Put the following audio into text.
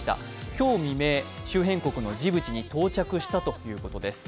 今日未明、周辺国のジブチに到着したということです。